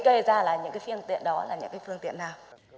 đi kê ra là những cái phương tiện đó là những cái phương tiện nào